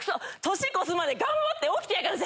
年越すまで頑張って起きてやがるぜ！